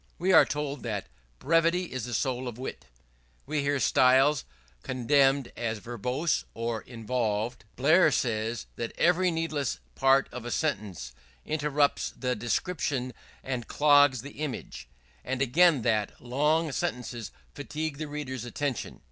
We are told that "brevity is the soul of wit." We hear styles condemned as verbose or involved. Blair says that every needless part of a sentence "interrupts the description and clogs the image;" and again, that "long sentences fatigue the reader's attention."